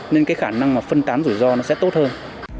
nên khả năng phân tán rủi ro sẽ tốt hơn